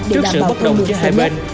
để đảm bảo thương đường xe miệng